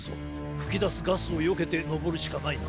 ふきだすガスをよけてのぼるしかないな。